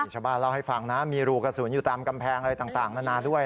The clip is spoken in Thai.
ชาวบ้านเล่าให้ฟังนะมีรูกระสุนอยู่ตามกำแพงอะไรต่างนานาด้วย